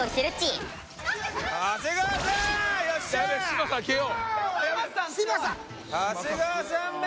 長谷川さんめ！